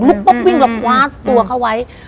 รอบว๊าาาตัวเขาไว้